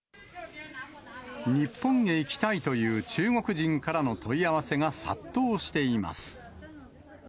日本へ行きたいという中国人からの問い合わせが殺到しています。